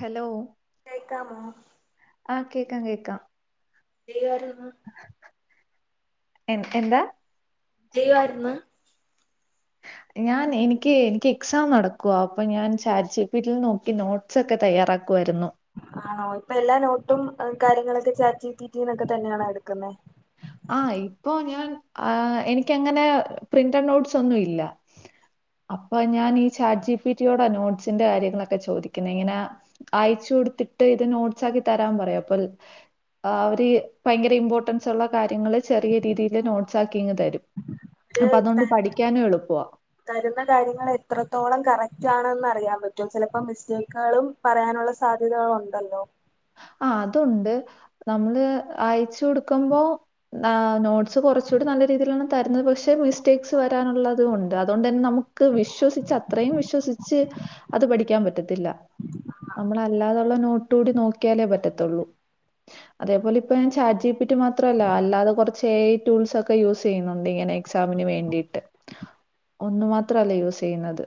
Hello കേക്കാമോ ആഹ് കേക്കാം കേൾക്കാം [unintelligible] എ എന്താ ലീവാർന്ന് ഞാൻ എനിക്ക് എനിക്ക് എക്സാം നടക്കുവ അപ്പൊ ഞാൻ ചാറ്റ്ജിപിട്ടി നോക്കി നോട്ട് സ് ഒക്കെ തയ്യാറാക്കുവായിരുന്നു ആഹ് ഇപ്പൊ എല്ലാ നോട്ടും കാര്യങ്ങളൊക്കെ ചാറ്റ് ജി പി ടി ന്നൊക്കെ തന്നെയാണോ എടുക്കുന്നെ ആഹ് ഇപ്പോ ഞാൻ ആഹ് എനിക്ക് അങ്ങനെ പ്രിന്റഡ് നോട്ട്സ് ഒന്നും ഇല്ല അപ്പൊ ഞാൻ ഈ ചാറ്റ്ചാറ്റ്ജിപിട്ടിയോട നോട്സിന്റെ കാര്യങ്ങളൊക്കെ ചോദിക്കുന്നെ ഇങ്ങനെ അയച്ച് കൊടുത്തിട്ട് ഇത് നോട്സാക്കി തരാൻ പറയാ അപ്പൊ ആഹ് അവര് ഭയങ്കര ഇമ്പോർട്ടൻ്റ് സുള്ള കാര്യങ്ങള് ചെറിയ രീതിൽ നോട്ട്സ് ആക്കിങ് തരും അവര് അപ്പൊ ത അതൊണ്ട് പഠിക്കാനും എളുപ്പാ തരുന്ന കാര്യങ്ങൾ എത്രത്തോളം കറക്റ്റ് ആണെന്ന് അറിയാൻ പറ്റും ചിലപ്പോ മിസ്റ്റേകുകളും പറയാനുള്ള സാധ്യതകളുണ്ടല്ലോ ആഹ് അതുണ്ട് നമ്മള് അയച്ച് കൊടുക്കുമ്പോ ആഹ് നോട്ട്സ് കുറച്ചൂടി നല്ല രീതിയിലാണ് തരുന്നത് പക്ഷെ മിസ്റ്റേക്സ് വരാനുള്ളതും ഉണ്ട് അതുകൊണ്ട് തന്നെ നമുക്ക് വിശ്വസിച്ച അത്രയും വിശ്വസിച്ച് അത് പഠിക്കാൻ പറ്റത്തില്ല നമ്മളല്ലാതുള്ള നോട്ടുകൂടി നോക്കിയാലേ പറ്റത്തുള്ളൂ അതേപോലെപ്പ ഞാൻ ചാറ്റ് ജി പി ടി മാത്രല്ല അല്ലാതെ കൊറച്ച് ഏ ഐ ടൂൾസ് ഒക്കെ യൂസ് യ്യുന്നുണ്ട് ഇങ്ങനെ എക്സാമിന് വേണ്ടിയിട്ട് ഒന്നു മാത്രല്ല യൂസ്യ്യുന്നത്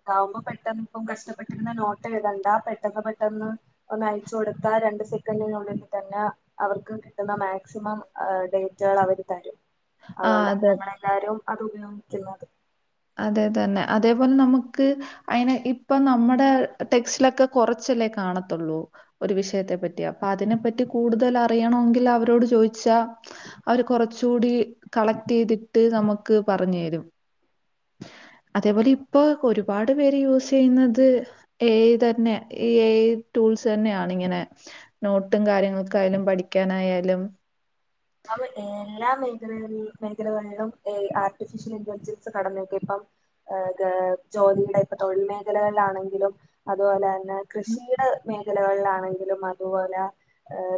അതാവുമ്പോ പെട്ടെന്ന് ഇപ്പം കഷ്ടപ്പെട്ടിരുന്ന നോട്ട് എഴുതണ്ടാ പെട്ടെന്ന് പെട്ടെന്ന് ഒന്ന അയച്ചു കൊടുത്താ രണ്ട് സെക്കൻ്റിനുള്ളിൽ തന്നെ അവർക്ക് കിട്ടുന്ന മാക്സിമം ഡേറ്റള് അവര് തരും ആ അതൊണ്ടാണ് അതെ നമ്മളെല്ലാരും അത് ഉപയോഗിക്കുന്നത് അതെതന്നെ അതേപോലെ നമുക്ക് അയിന് ഇപ്പൊ നമ്മുടെ ടെക്സ്റ്റിലൊക്കെ കുറച്ചല്ലേ കാണത്തുള്ളൂ ഒരു വിഷയത്തെ പറ്റി അപ്പൊ അതിനെ പറ്റി കൂടുതൽ അറിയണങ്കിൽ അവരോട് ചോയിച്ചാ അവര് കൊറച്ചുടി കളക്ട് എയ്‌തിട്ട് നമുക്ക് പറഞ്ഞേരും അതേപോലെ ഇപ്പൊ ഒരുപാട് പേര് യൂസയ്യുന്നത് ഏ ഐ തന്നെ ഈ ഏ ഐ ടൂൾസ് തന്നെയണ ഇങ്ങനെ നോട്ടും കാര്യങ്ങളൾക്കായാലും പഠിക്കാനായാലും അപ്പ എല്ലാ മേഖല മേഖലകളിലും ആർട്ടിഫിഷ്യൽ ഇന്റലിജൻസ് കടന്നക്ക ഇപ്പം ഏ ഗ ജോലിയുടെ ഇപ്പൊ തൊഴിൽ മേഖലകളിലാണെങ്കിലും അതുപോലെ തന്നെ കൃഷിയുടെ മേഖ ലകളിലാണെങ്കിലും അതുപോലെ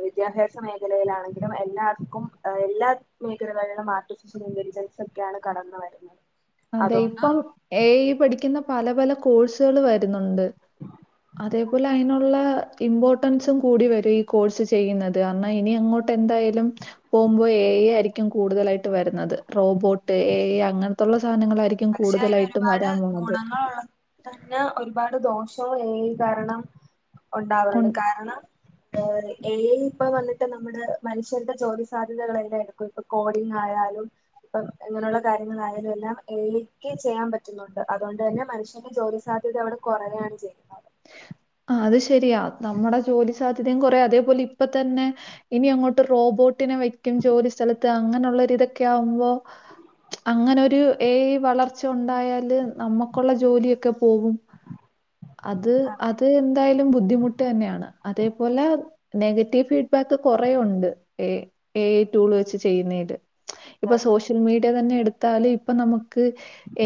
വിദ്യാഭ്യാസ മേഖലയിലാണെങ്കിലും എല്ലാ എല്ലാ മേഖലകളിലും ആർട്ടിഫിഷ്യൽ ഇന്റലിജൻസ ഒക്കെയാണ് കടന്നു വരുന്നത് അതെ അതുകൊണ്ട് ഇപ്പം ഏ ഐ പഠിക്കുന്ന പല പല കോഴ്സുകൾ വരുന്നുണ്ട് അതേപോലെ അയിനുള്ള ഇമ്പോർട്ടൻസും കൂടി വരും ഈ കോഴ്സ് ചെയ്യുന്നത് കാരണം ഇനി അങ്ങോട്ട് എന്തായാലും പോവുമ്പോ ഏ ഐ ആയിരിക്കും കൂടുതലായിട്ട് വരുന്നത് റോബോട്ട് ഏ ഐ അങ്ങനത്തുള്ള സാധനങ്ങളായിരി പക്ഷെ അയിന് ഒരുപാട് ഗുണങ്ങളുള്ള തന്നെ ഒരുപാട് ദോഷങ്ങൾ ഏ ഐ കാരണം ഉൺ ഉണ്ടാവാറുണ്ട് കാരണം ഏ ഐ ഐ ഇപ്പ വന്നിട്ട് നമ്മുടെ മനുഷ്യരുടെ ജോലി സാധ്യതകളല്ലാ എടുക്കും ഇപ്പ കോഡിങ് ആയാലും ഇപ്പൊ ഇങ്ങനെയുള്ള കാര്യങ്ങളായാലും എല്ലാം ഏ ഐ ക്ക് ചെയ്യാൻ പറ്റുന്നുണ്ട് അതുകൊണ്ട് തന്നെ മനുഷ്യന്റെ ജോലി സാധ്യത അവിടെ കുറയാണ് ചെയ്യുന്നത് ആ അത് ശരിയാ നമ്മുടെ ജോലി സാധ്യതയും കുറ അതേപോലെ ഇപ്പ തന്നെ ഇനി അങ്ങോട്ട് റോബോട്ടിനെ വെക്കും ജോലി സ്ഥലത്ത് അങ്ങനെയുള്ളൊരിതൊക്കെ ആവുമ്പോ അങ്ങനെരു ഏ ഐ വളർച്ച ഉണ്ടായാല് നമ്മുക്കുള്ള ജോലിയൊക്കെ പോവും അത് അത് എന്തായാലും ബുദ്ധിമുട്ട് തന്നെയാണ് അതേപോലെ നെഗറ്റീവ് ഫീഡ്ബാക്ക് കൊറെ ഉണ്ട് എ ഐ ടൂള് വെച്ച് ചെയ്യുന്നതില് ഇപ്പൊ സോഷ്യൽ മീഡിയ തന്നെ എടുത്താല് ഇപ്പൊ നമുക്ക്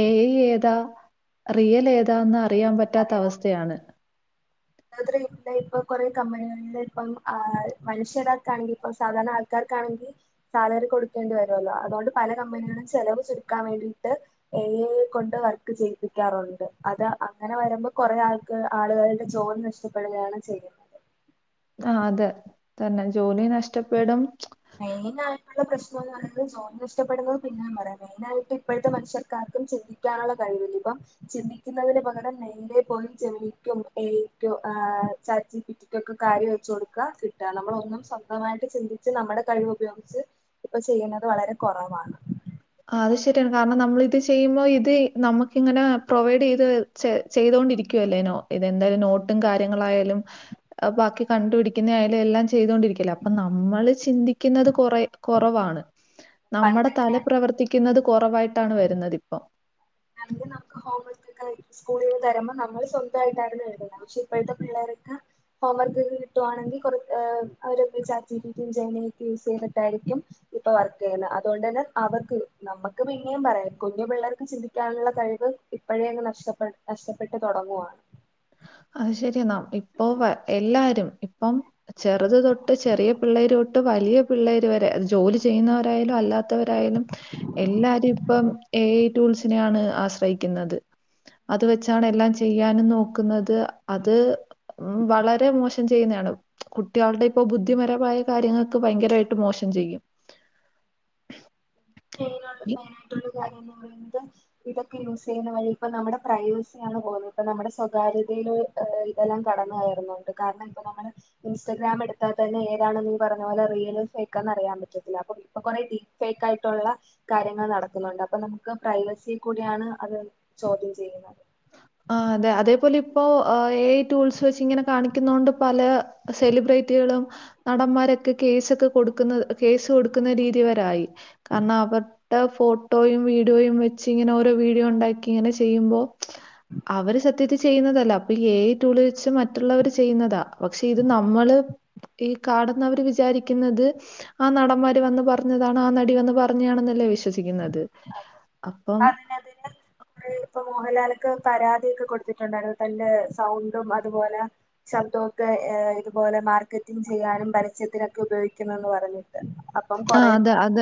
ഏ ഐ ഏതാ റിയൽ ഏതാന്ന് അറിയാൻ പറ്റാത്ത അവസ്ഥയാണ് [unintelligible] ഇപ്പ കുറെ കമ്പനികളിൽ ഇപ്പം മനുഷ്യരാർക്കാണെങ്കി ഇപ്പ സാധാരണ ആൾക്കാർക്കാണെങ്കി സാലറി കൊടുക്കേണ്ടി വരുല്ലോ അതുകൊണ്ട് പല കമ്പനികളും ചെലവ് ചുരുക്കാൻ വേണ്ടിയിട്ട് എ ഐകൊണ്ട് വർക്ക് ചെയ്യിപ്പിക്കാറുണ്ട് അത് അങ്ങനെ വരുമ്പോ കൊറെ ആൾക്ക ആളുകളുടെ ജോലി നഷ്ടപ്പെടുകയാണ് ചെയ്യുന്നത് ആ അതെ തന്നെ ജോലി നഷ്ടപ്പെടും മെയിനായിട്ടുള്ള പ്രശ്നംന്ന് പറയുന്നത് ഡോട്ടസ് മന്നയിട്ട് നഷ്ടപ്പെടുന്ന [unintelligible] പറയാം മെയിനായിയിട്ട് ഇപ്പഴത്തെ മനുഷ്യക്കാക്കും ചിന്തിക്കും നുള്ള കഴിവില്ലപ്പം ചിന്തിക്കുന്നതിന് പകരം നേരെ പോയി ജമനിക്കും ഏ ഐക്കും ആ ചാച്ചിബി ഒക്കെ കാര്യം വെച്ച് കൊടുക്ക കിട്ടാ നമ്മളും ഒന്നും സ്വന്തവായിട്ട് ചിന്തിച്ച് നമ്മുടെ കഴിവ് ഉപയോഗിച്ച് ഇപ്പൊ ചെയ്യുന്നത് വളരെ കുറവാണ് അത് ശരിയാണ് കാരണം നമ്മൾ ഇത് ചെയ്യുമ്പോ ഇത് നമുക്ക് ഇങ്ങനെ പ്രൊവൈഡ് ചെയ്ത് ചെ ചെയ്തൊണ്ടിരിക്കുവല്ലേനോ ഇതെന്തായാലും നോട്ടും കാര്യങ്ങളായാലും ബാക്കി കണ്ടു പിടിക്കുന്ന ഐല് എല്ലാം ചെയ്തൊണ്ടിരിക്കും അപ്പ നമ്മള് ചിന്തിക്കുന്നത് കൊറെ കൊറവാണ് നമ്മുടെ പണ്ടൊക്കെ തല പ്രവർത്തിക്കുന്നത് കുറവായിട്ടാണ് വരുന്നത്പ്പം എ നമുക്ക് ഹോംവർക്ക്ക്കൊയി സ്കൂളിൽ നിന്ന് തരുമ്പോ നമ്മള് സ്വന്തായിട്ടാന്നു എഴ്തണത് പക്ഷെ ഇപ്പോഴത്തെ പിള്ളേരൊക്കെ ഹോം വർക്ക് കിട്ടുവാണെങ്കി കൊറെ ഏഹ് അവര് chat G P T Gemini ഒക്കെ യൂസ് ചെയ്തിട്ടായിരിക്കും ഇപ്പൊ വർക്ക് ചെയ്യുന്ന അതുകൊണ്ട് തന്നെ അവർക്ക് നമ്മുക്ക് പിന്നെയും പറയാം കുഞ്ഞു പിള്ളേർക്ക് ചിന്തി ക്കാനുള്ള കഴിവ് ഇപ്പോഴേങ്ങ് നഷ്ടപ്പെ നഷ്ടപ്പെട്ട് തൊടങ്ങുവാ അത് ശരിയെന്നാ ഇപ്പൊ എല്ലാവരും ഇപ്പം ചെറുത് തൊട്ട് ചെറിയ പിള്ളേര് തൊട്ട് വലിയ പിള്ളേര് വരെ അത് ജോലി ചെയ്യുന്നവരായാലും അല്ലാത്തവരായാലും എല്ലാവരും ഇപ്പം എ ഐ ടൂൾസിനെയാണ് ആശ്രയിക്കുന്നത് അത് വെച്ചാണ് എല്ലാം ചെയ്യാനും നോക്കുന്നത് അത് വളരെ മോശ ചെയ്യുന്നാണ് കുട്ടികൾടെപ്പൊ ബുദ്ധിപരമായ കാര്യങ്ങൾക്ക് ഭയങ്കരായിട്ട് മോശം ചെയ്യും [unintelligible] എന്ത [inaudible] ഇതൊക്കെ യൂസ് ചെയ്യുന്ന വഴി ഇപ്പ നമ്മുടെ പ്രൈവസിയാണ് പോകുന്നത് ഇപ്പ നമ്മുടെ സ്വകാര്യതയില് ഏഹ് ഇതെല്ലാം കടന്നു കയറുന്നുണ്ട് കാരണം ഇപ്പം നമ്മള് ഇൻസ്റ്റഗ്രാം എടുത്താൽ തന്നെ ഏതാണ് നീ പറഞ്ഞ പോലെ റിയൽ ഫേക്കാന്ന് അറിയാൻ പറ്റത്തില്ല അപ്പൊ ഇപ്പൊ കൊറെ ടി ഫേക്ക് ആയിട്ട് ട്ടുള്ള കാര്യങ്ങൾ നടക്കുന്നുണ്ട് അപ്പൊ നമുക്ക് പ്രൈവസി കൂടിയാണ് അത് ചോദ്യം ചെയ്യുന്നത് ആഹ് അതെ അതേപോലെ ഇപ്പോ ഏ ഐ ടൂൾസ് വെച്ച്ങ്ങനെ കാണിക്കുന്നോണ്ട് പല സെലിബ്രേറ്റികളും നടന്മാരൊക്കെ കേസൊക്കെ കൊടുക്കുന്ന കേസ് കൊടുക്കുന്ന രീതിവരെ ആയി കാരണം അവരുടെ ഫോട്ടോയും വീഡിയോയും വെച്ച് ഇങ്ങനെ ഓരോ വീഡിയോണ്ടാക്കിങ്ങനെ ചെയ്യുമ്പോ അവര് സത്യത്തിൽ ചെയ്യുന്നതല്ല അപ്പൊ ഈ ഏ ഐ ടൂള് വച്ച് മറ്റുള്ളവര് ചെയ്യുന്നതാ പക്ഷെ ഇത് നമ്മള് ഈ കാണുന്നവര് വിചാരിക്കുന്നത് ആ നടന്മാര് വന്ന് പറഞ്ഞതാണ് ആ നടി വന്ന് പറഞ്ഞതാണെന്നല്ലേ വിശ്വസിക്കുന്നത് ത് അപ്പം അങ്ങനെ ഇപ്പൊ മോഹൻലാലൊക്കെ പരാതിയൊക്കെ കൊടുത്തിട്ടുണ്ടായിരുന്നു തന്റെ സൗണ്ടും അതുപോലെ ശബ്ദമൊക്കെ ഏഹ് ഇതുപോലെ മാർക്കറ്റിങ് ചെയ്യാനും പരസ്യത്തിനൊക്കെ ഉപയോഗിക്കുന്നുന്ന് പറഞ്ഞിട്ട് അപ്പം ആ കൊറെ അത് അത്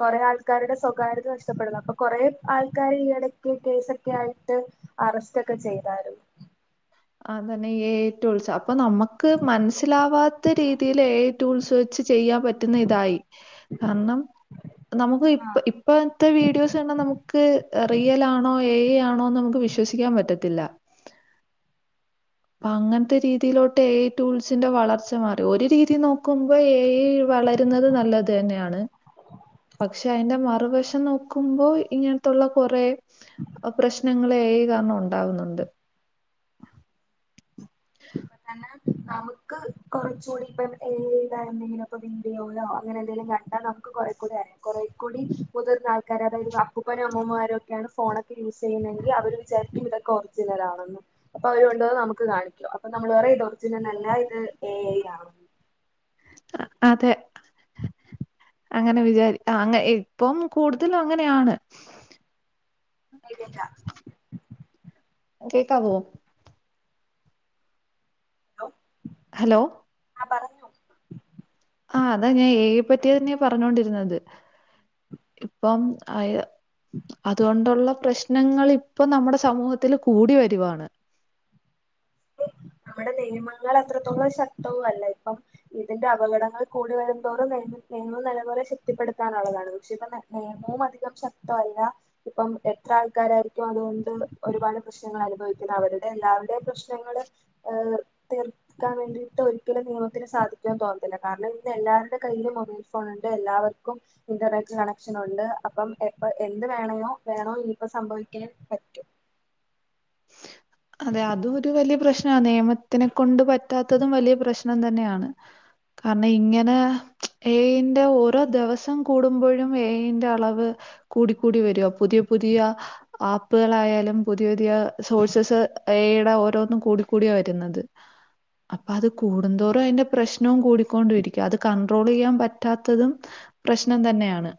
കൊറെ ആൾക്കാരുടെ സ്വപ് കാരത് നഷ്ടപ്പെടുന്നു അപ്പൊ കൊറെ ആൾക്കാര് ഈയിടക്ക് കേസൊക്കെ ആയിട്ട് അറസ്റ്റ് ഒക്കെ ചെയ്താരു അതന്നെ എ ഐ ടൂൾസ് അപ്പൊ നമക്ക് മനസ്സിലാവാത്ത രീതിയില് ഏ ഐ ടൂൾസ് വെച്ച് ചെയ്യാൻ പറ്റുന്ന ഇതായി കാരണം നമുക്ക് ആ ഇപ്പ ഇപ്പ പ്പൊത്തെ വീഡിയോസ് കണ്ടാ നമുക്ക് റിയലാണോ എ ഐ ആണോന്ന് നമുക്ക് വിശ്വസിക്കാൻ പറ്റത്തില്ല അപ്പ അങ്ങനത്തെ രീതിയിലോട്ട് എ ഐ ടൂൾസിന്റെ വളർച്ച മാറി ഒരു രീതി നോക്കുമ്പോ എ ഐ വള ക്കുന്നത് നല്ലതന്നെയാണ് പക്ഷെ അയ്ന്റെ മറുവശം നോക്കുമ്പോ ഇങ്ങനത്തുള്ള കൊറെ പ്രശ്നങ്ങള് എ ഐ കാരണം ഉണ്ടാ വുന്നുണ്ട് ഇപ്പൊ തന്നെ നമുക്ക് കൊറച്ചുകൂടി ഇപ്പ എ ഐ എന്തെങ്കിലും ഇപ്പ വിഡിയോയിലൊ അങ്ങനെ എന്തെങ്കിലും ക ണ്ടാ നമുക്ക് കൊറെ കൂടി അറിയും കൊറേ കൂടി മുതിർന്ന ആൾക്കാര് അതായത് അപ്പൂപ്പനും അമ്മൂമ്മമാരോക്കെ ഒക്കെയാണ് ഫോണൊക്കെ യൂസ് ചെയ്യുന്നെങ്കിൽ അവര് വിചാരിക്കും ഇതൊക്ക ഒറിജിനൽ ആണെന്ന് അപ്പൊ അവര് കൊണ്ട് വന്ന് നമുക്ക് കാണിക്കും അപ്പൊ നമ്മള് പറയും ഇത് ഒറിജിനൽ അല്ലാ ഇത് എ ഐ ആണെന്ന് അതെ അങ്ങനെ വിചാരി ആ അങ്ങ ഇപ്പം കൂടുതലും അങ്ങനെയാണ് [inaudible] നീട്ടില്ല കേക്കാവോ ഹലോ ആ പറ ആഹ് അതാ ഞാൻ എ ഐ യെ പറ്റിയ തന്നെയാ പറഞ്ഞൊണ്ടിരുന്നത് ഇപ്പം ആയ അതോണ്ടുള്ള പ്രശ്നങ്ങൾ ഇപ്പൊ നമ്മുടെ സമൂഹത്തില് കൂടി വരുവാണ് നമ്മടെ നിയമങ്ങള് അത്രത്തോളം ശക്തവും അല്ല ഇപ്പം ഇതിന്റെ അപകടങ്ങൾ കൂടി വരുന്തോറും നിയമ നിയമം നല്ല പോലെ ശക്തിപ്പെടുത്താനുള്ളതാണ് പക്ഷെ ഇപ്പ ന നിയമവും അധികം ശക്തവല്ല ഇപ്പം എത്ര ആൾക്കാരായിരിക്കും അതുകൊണ്ട് ഒരുപാട് പ്രശ്നങ്ങൾ അനുഭവിക്കുന്ന അവരുടെ എല്ലാവരുടെയും പ്രശ്നങ്ങള് തീർ ക്കാൻ വേണ്ടിയിട്ട് ഒരിക്കലും നിയമത്തിന് സാധിക്കുമെന്ന് തോന്നുന്നില്ല കാരണം ഇന്ന് എല്ലാവരുടെ കയ്യിലും മൊബൈൽ ഫോൺണ്ട് എല്ലാവർക്കും ഇന്റർനെറ്റ് കണക്ഷൻ ഉണ്ട് അപ്പം എപ്പ എന്ത് വേണയോ വേണോ ഇനിയിപ്പോ സംഭവിക്കൻ പറ്റും അതെ അതും ഒരു വലിയ പ്രശ്ന നിയമത്തിനെ കൊണ്ട് പറ്റാത്തതും വലിയ പ്രശ്നം തന്നെയാണ് കാരണം ഇങ്ങനെ. എ ഏയിന്റെ ഓരോ ദിവസം കൂടുമ്പോഴും ഏ അയ് ന്റെ അളവ് കൂടിക്കൂടി വരുഅ പുതിയ പുതിയ ആപ്പുകളായാലും പുതിയ പുതിയ സോഴ്സസ് എ അയടെ ഓരോന്നും കൂടി കൂടിയ വരുന്നത് അപ്പൊ അത് കൂടുന്തോറും അതിന്റെ പ്രശ്നവും കൂടിക്കൊണ്ട ഇരിക്കും അത് കണ്ട്രോൾ ചെയ്യാൻ പറ്റാത്തതും പ്രശ്നം തന്നെയാണ്.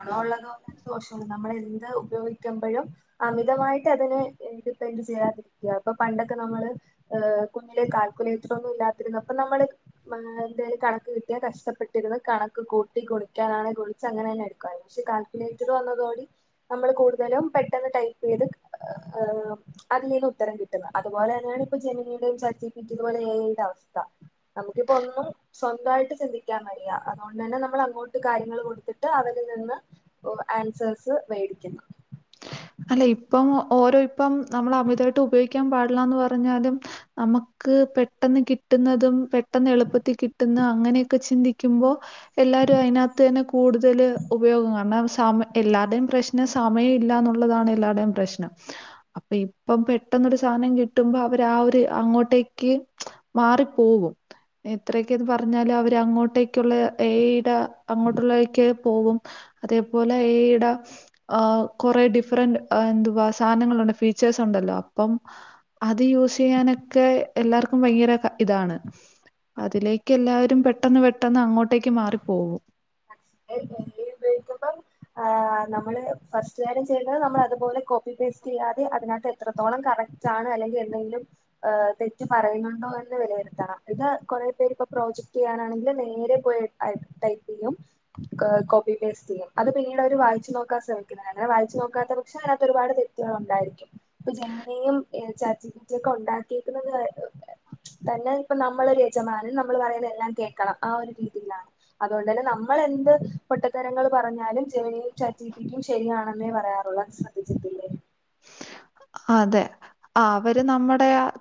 ഗുണം ഉള്ളത് പോലെ ദോഷവും നമ്മള എന്ത് ഉപയോഗിക്കുമ്പഴും അമിതമായിട്ട് അതിനെ ഡിപ്പെെൻഡ് ചെയ്യാതിരിക്കയ പ്പൊ പണ്ടൊക്കെ നമ്മള് ഹ് കുഞ്ഞിലെ കാൽക്കുലേറ്ററൊന്നും ഇല്ലാത്തിരുന്നു അപ്പൊ നമ്മള് ആ എന്തേലും കണക്ക് കിട്ടിയാ കഷ്ടപ്പെട്ടിരുന്ന് കണക്ക് കൂട്ടി കുറേക്കാനാണ് ഗുണിച്ച് അങ്ങനെ തന്നെ അണ് ക്ഷേ കാൽകുലേറ്റർ വന്നതോട് നമ്മള് കൂടുതലും പെട്ടെന്ന് ടൈപ്പ് ചെയ്ത് ആഹ് അതിലേന്ന് ഉത്തരം കിട്ടും അതുപോലെ തന്നെയാണ് ഇപ്പൊ ജമിനി യുടെയും ചാറ്റ് ജിപി യുടെയും എ അയ് ന്റെ യും അവസ്ഥ നമുക്കിപ്പ ഒന്നും സ്വന്തയിട്ട് ചിന്തിക്കാൻ വയ്യ അതുകൊണ്ട് തന്നെ നമ്മൾ അങ്ങോട്ട് കാര്യങ്ങള് കൊടുത്തിട്ട് അവർ രിൽ നിന്ന് ആൻസഴ്‌സ് വേടിക്കുന്നു അല്ല ഇപ്പം ഓരോ ഇപ്പം നമ്മള് അമിതയിട്ട് ഉപയോഗിക്കാൻ പാടില്ലന്ന് പറഞ്ഞാലും നമുക്ക് പെട്ടെന്ന് കിട്ടുന്നതും പെട്ടെന്ന് എളുപ്പത്തിൽ കിട്ടുന്ന അങ്ങനെയൊക്കെ ചിന്തിക്കുമ്പോ എല്ലാവരും അതിനത്ത്തന്നെ കൂടുതല് ഉപയോഗം കാരണം സമയ എല്ലാരുടെേയും പ്രശ്നം സമയം ഇല്ല എന്നുള്ള ള്ളതാണ് എല്ലാരുടെയും പ്രശ്നം അപ്പൊ ഇപ്പം പെട്ടെന്നരു സാധനം കിട്ടുമ്പോ അവര് ആ ഒരു അങ്ങോട്ടേക്ക് മാറിപ്പോവും.. എത്രയൊക്കെന്ന് പറഞ്ഞാല അവര് അങ്ങോട്ടേക്കുള്ള ഏ അയ്ടെ അങ്ങോട്ടുള്ളേക്ക് പോകും അതേപോലെ ഏ ഐടെ കുറെ ഡിഫ് ഡിഫറന്റ് എ എന്തുവാ സാനങ്ങളുണ്ട് ഫീച്ചേഴ്സ് ഉണ്ടല്ലോ അപ്പം അത് യൂസ് ചെയ്യാനൊക്കെ എല്ലാർക്കും ഭയങ്കര ഇതാണ് അതിലേക്ക് എല്ലാവരും പെട്ടെന്ന് പെട്ടെന്ന് അങ്ങോട്ടേക്ക് മാറി പോകും. ഉപയോഗിക്കുമ്പം ആഹ് നമ്മള് ഫസ്റ്റ് കാര്യം ചെയ്യണ്ടത് നമ്മളതുപോലെ കോപ്പി പേസ്റ്റ് ചെയ്യാതെ അയിനകത്ത് എത്രത്തോളം കറക്റ്റ്. റ്റാണ് അല്ലെങ്കി എന്തെങ്കിലും. ഏഹ് തെറ്റ് പറയുന്നുണ്ടോ എന്ന് വെലയിരുത്തണം ഇത് കുറെ പേര്പ്പോ പ്രോജക്ട് ചെയ്യാനാണെങ്കിലും നേരെ പോയി. ആയിതെ ടൈപ് എയ്യും കോപ്പി പേസ്റ്റ് ചെയും അത് പിന്നീട് അവര് വായിച്ച് നോക്കാൻ ശ്രമിക്കുന്നത് അങ്ങനെ വായിച്ചു നോക്കാത്ത പക്ഷം അയിനകത്തൊരുപാട് തെ ഉണ്ടായിരിക്കും ഇപ്പൊ ജമിനിയും ചാറ്റ് ജി പി ടി ഉണ്ടാക്കിക്കുന്നത്. തന്നെ ഇപ്പ നമ്മളൊരു യജമാനൻ നമ്മള് പറയുന്നതെല്ലാം കേക്കണം ആ ഒരു രീതിയിലാണ്. അതോണ്ട്ന്നെ നമ്മളെ പൊട്ടത്തരങ്ങള് പറഞ്ഞാലും ജെമിനിയും ചാറ്റ് ജി പി ടി യും ശരിയാണെന്നേ പറയാറുള്ളൂ അത് ശ്രദ്ധിച്ചിട്ടില്ലേ? അതെ ആഹ് അവര് നമ്മടെ ആഹ്.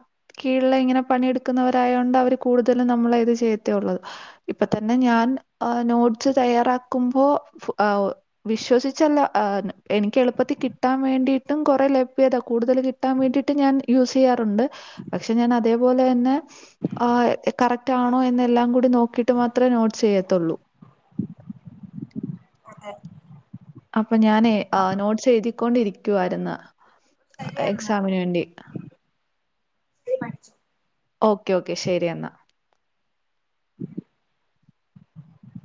കീഴില്ങ്ങനെ പണിയെടുക്കുന്നവരായോണ്ട് അവർ കൂടുതലും നമ്മള ഇത് ചെയ്യത്തേ ഉള്ളൂ. ഇപ്പൊ തന്നെ ഞാൻ ആ നോട്സ് തയ്യാറാക്കുമ്പോ ആഹ് വിശ്വസിച്ചല്ല ആഹ് എനിക്ക് എളുപ്പത്തി കിട്ടാൻ വേണ്ടിയിട്ടും കുറെ ലെ താ കൂടുതൽ കിട്ടാൻ വേണ്ടിട്ട് ഞാൻ യൂസ് ചെയ്യാറുണ്ട് പക്ഷെ ഞാൻ അതേപോലെ തന്നെ. ആഹ്‌ കറക്റ്റ് ആണോ എന്ന എല്ലാം കൂടി നോക്കിയിട്ട് മാത്രേ നോട്ട്സ് ചെയ്യത്തുള്ളൂ. അതെ അപ്പൊ ഞാനേ ആ നോട്ട്സ് എഴുതിക്കൊണ്ടിരിക്കുവായിര്ന്ന്. ശരി എന്നാ എക്സാമിന് വേണ്ടി. ശരി പഠിച്ചോ ഓക്കെ ഓക്കെ ശരി എന്നാ.